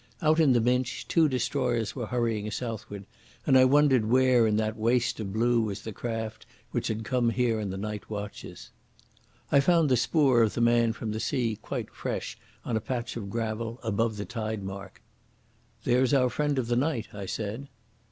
Out in the Minch two destroyers were hurrying southward, and I wondered where in that waste of blue was the craft which had come here in the night watches. I found the spoor of the man from the sea quite fresh on a patch of gravel above the tide mark. "There's our friend of the night," I said.